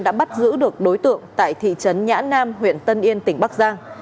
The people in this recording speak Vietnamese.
đã bắt giữ được đối tượng tại thị trấn nhã nam huyện tân yên tỉnh bắc giang